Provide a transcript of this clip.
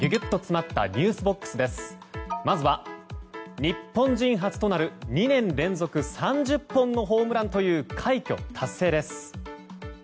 まずは日本人初となる、２年連続３０本のホームランという快挙達成です。